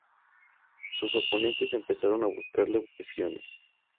Sus oponentes empezaron a buscarle objeciones.